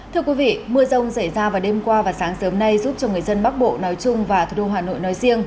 thưa quý vị mưa rông xảy ra vào đêm qua và sáng sớm nay giúp cho người dân bắc bộ nói chung và thủ đô hà nội nói riêng